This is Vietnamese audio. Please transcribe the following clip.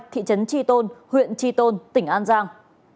thị trấn tri tôn huyện tri tôn tỉnh an giang